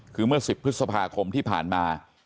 คือเมื่อ๑๐พฤษภาคมที่ผ่านมา